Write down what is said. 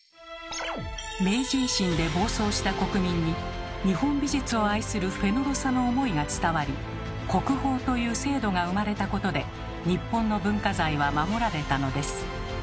明治維新で暴走した国民に日本美術を愛するフェノロサの思いが伝わり「国宝」という制度が生まれたことで日本の文化財は守られたのです。